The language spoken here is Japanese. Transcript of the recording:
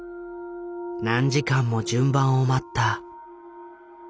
何時間も順番を待った。